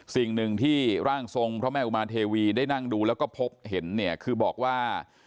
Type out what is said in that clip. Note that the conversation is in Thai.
สิ่งหนึ่งที่ร่างทรงพระแม่อุมาเทวีได้นั่งดูแล้วก็พบเห็นเนี่ยคือบอกว่า